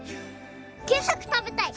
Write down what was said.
給食食べたい！